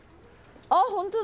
あ本当だ。